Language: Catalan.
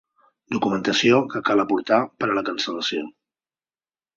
Documentació que cal aportar per a la cancel·lació.